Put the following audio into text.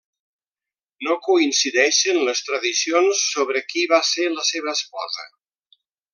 No coincideixen les tradicions sobre qui va ser la seva esposa.